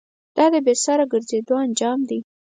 دا د بې سره گرځېدو انجام دی.